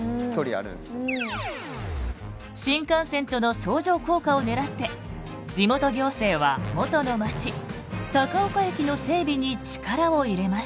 新幹線との相乗効果をねらって地元行政は元のまち高岡駅の整備に力を入れました。